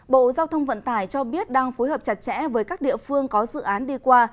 bộ giao thông vận tải cho biết đang phối hợp chặt chẽ với các địa phương có dự án đi qua